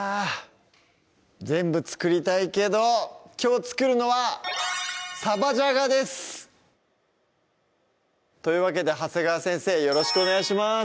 全部作りたいけどきょう作るのは「サバじゃが」ですというわけで長谷川先生よろしくお願いします